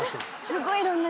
すごいな！